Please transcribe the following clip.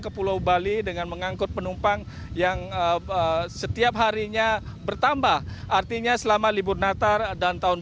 ke pulau bali dengan mengangkut penumpang yang setiap harinya bertambah artinya selama libur natal dan tahun